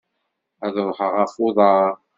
Ad ruḥeɣ ɣef uḍar.